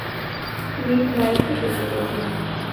নিজ দায়িত্বে করতে চেয়েছিলাম।